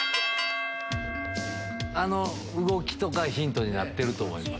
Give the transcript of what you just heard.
あの動きとかヒントになってると思います。